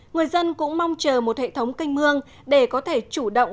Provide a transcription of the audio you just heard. người dân cũng mong chờ một hệ thống canh mương để có thể chủ động